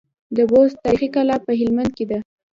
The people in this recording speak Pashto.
د بست تاريخي کلا په هلمند کي ده